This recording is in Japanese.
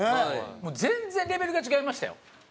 もう全然レベルが違いましたよ。